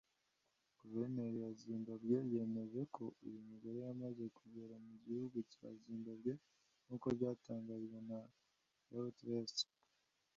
Guverinoma ya Zimbabwe yemeje ko uyu mugore yamaze kugera mu gihugu cya Zimbabwe nk’ uko byatangajwe na Reuters